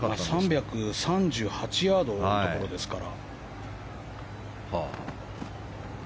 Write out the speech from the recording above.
３３８ヤードのところですから。